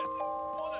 どうだ？